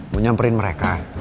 mau nyamperin mereka